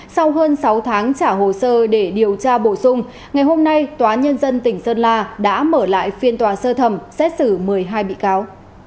sau hơn sáu tháng trả hồ sơ để điều tra bổ sung ngày hôm nay tòa nhân dân tỉnh sơn la đã mở lại phiên tòa sơ thẩm xét xử một mươi hai bị cáo